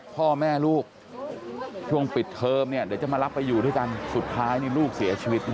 พ่อแม่ลูกช่วงปิดเทอมเนี่ยเดี๋ยวจะมารับไปอยู่ด้วยกันสุดท้ายนี่ลูกเสียชีวิตนะ